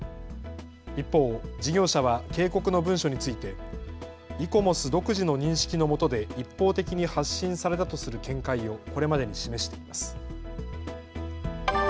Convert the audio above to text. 一方、事業者は警告の文書についてイコモス独自の認識のもとで一方的に発信されたとする見解をこれまでに示しています。